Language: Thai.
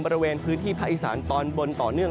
บริเวณพื้นที่ภาคอีสานตอนบนต่อเนื่อง